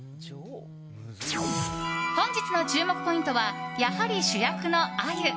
本日の注目ポイントはやはり主役のアユ。